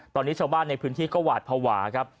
ตอนนี้ชาวบ้านในพื้นที่ก็หวาดภาวะครับ